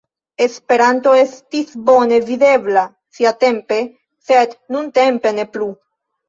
Esperanto estis bone videbla siatempe, sed nuntempe ne plu.